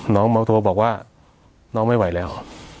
น้องมาโทรบอกว่าน้องไม่ไหวแล้ว